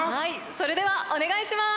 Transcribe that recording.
それではお願いします。